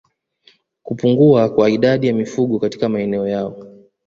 Kupungua kwa idadi ya mifugo katika maeneo yao